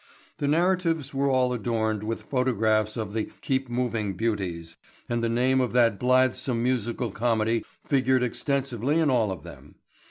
The narratives were all adorned with photographs of the "Keep Moving" beauties and the name of that blithesome musical comedy figured extensively in all of them.